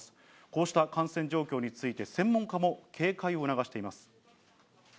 こうした感染状況について、専門家も警戒を促しています。